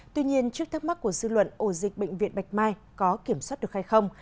tuy nhiên trước thắc mắc của dư luận ổ dịch bệnh viện bạch mai có kiểm soát được hay không